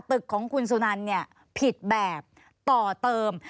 ตึกของคุณสุนันเนี่ยผิดแบบต่อเติม